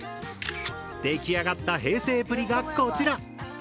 出来上がった平成プリがこちら！